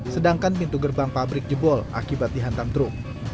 sedangkan pintu gerbang pabrik jebol akibat dihantam truk